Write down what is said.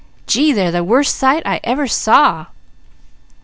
Gee, they're the worst sight I ever saw!"